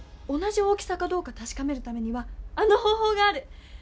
同じ大きさかどうかたしかめるためにはあの方ほうがある！